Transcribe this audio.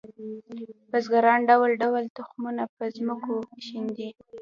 بزګران ډول ډول تخمونه په ځمکو شیندي